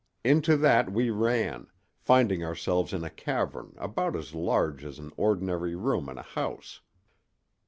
Into that we ran, finding ourselves in a cavern about as large as an ordinary room in a house.